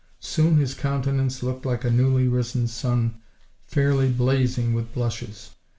Soon his countenance looked like a newly risen sun—fairly blazing with blushes.